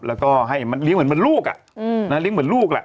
แล้วก็ให้มันเลี้ยงเหมือนลูกเลี้ยงเหมือนลูกแหละ